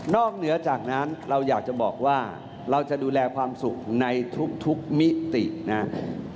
เหนือจากนั้นเราอยากจะบอกว่าเราจะดูแลความสุขในทุกมิตินะครับ